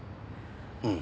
うん。